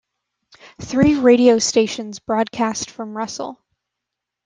Three radio stations broadcast from Russell.